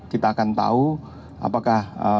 kita akan tahu apakah